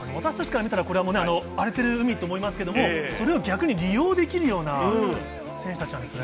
これは荒れてる海と思いますけど、それを逆に利用できるような選手たちなんですね。